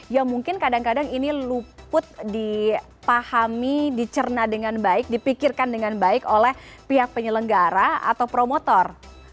yang mungkin kadang kadang ini luput dipahami dicerna dengan baik dipikirkan dengan baik oleh pihak penyelenggara atau promotor